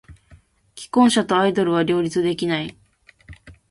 既婚者とアイドルは両立できない。